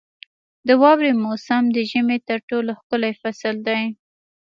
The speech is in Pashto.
• د واورې موسم د ژمي تر ټولو ښکلی فصل دی.